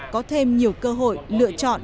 có thêm nhiều cơ hội lựa chọn